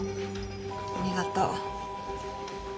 ありがとう。